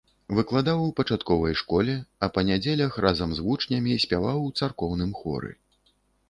Выкладаў у пачатковай школе, а па нядзелях разам з вучнямі спяваў у царкоўным хоры.